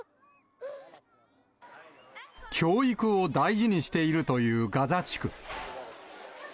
教育を大事にしているというガザ地区。